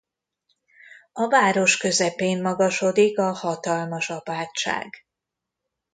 A város közepén magasodik a hatalmas apátság.